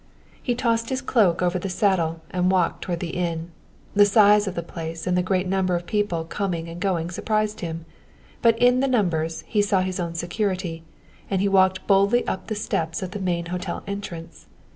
He tossed his cloak over the saddle and walked toward the inn. The size of the place and the great number of people going and coming surprised him, but in the numbers he saw his own security, and he walked boldly up the steps of the main hotel entrance.